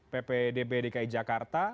ppdb dki jakarta